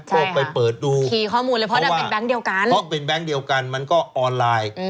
พวกไปเปิดดูเพราะว่าเพราะเป็นแบงก์เดียวกันมันก็ออนไลน์